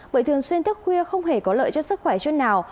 bởi thường xuyên thức khuya không hề có lợi cho sức khỏe chút nào